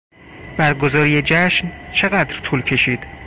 برگزاری جشن چقدر طول کشید؟